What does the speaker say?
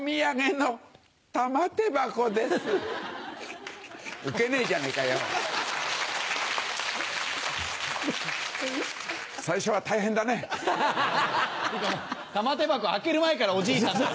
もう玉手箱開ける前からおじいさんだよ。